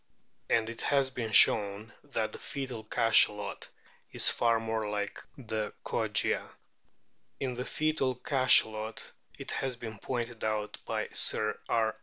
And it has been shown that the foetal Cachalot is so far more like the Kogia. In the fcetal Cachalot it has been pointed out by Sir R.